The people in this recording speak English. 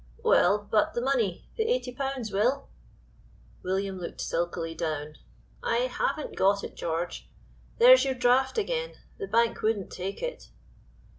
"Well, but the money the 80 pounds, Will?" William looked sulkily down. "I haven't got it, George! There's your draft again, the bank wouldn't take it."